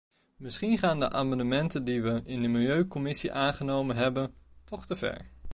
Misschien gaan de amendementen die we in de milieucommissie aangenomen hebben, toch te ver.